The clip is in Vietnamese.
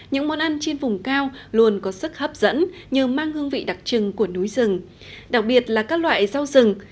những món ăn trên vùng cao luôn có sức hấp dẫn như mang hương vị đặc trưng của núi rừng đặc biệt là các loại rau rừng